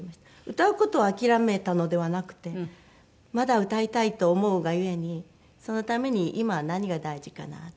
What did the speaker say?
歌う事を諦めたのではなくてまだ歌いたいと思うがゆえにそのために今は何が大事かなって。